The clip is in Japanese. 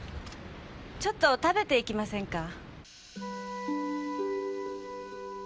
ちょっと食べていきませんか？